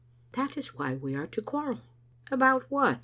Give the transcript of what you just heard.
" That is why we are to quarrel." "About what?"